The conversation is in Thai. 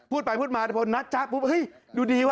ใครพูดมาเท่าโน่นนะจะหึ้ยดูดีวะ